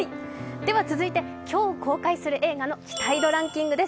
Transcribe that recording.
では続いて今日公開の映画の期待度ランキングです。